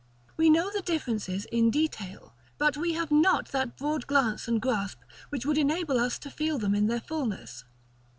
We know the differences in detail, but we have not that broad glance and grasp which would enable us to feel them in their fulness.